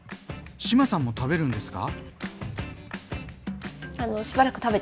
志麻さんも食べるんですか？